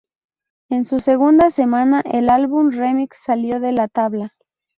En su segunda semana, el álbum remix salió de la tabla.